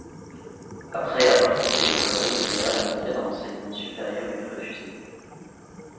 Après avoir quitté l'école régulière, l'entrée dans l'enseignement supérieur lui est réfusée.